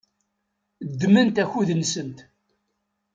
Ddment akud-nsent.